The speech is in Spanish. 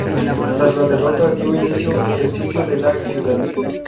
Tras la derrota dio inicio el sitio de la ciudad.